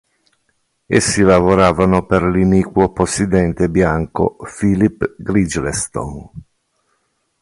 Essi lavoravano per l'iniquo possidente bianco Philip Gridlestone.